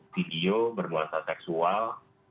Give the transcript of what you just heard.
video bernuansa seksual